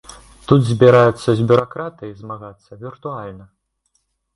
Тут збіраюцца з бюракратыяй змагацца віртуальна.